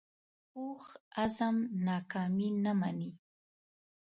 پوخ عزم ناکامي نه مني